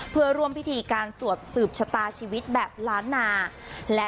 เพื่อร่วมพิธีการสวดสืบชะตาชีวิตแบบล้านนา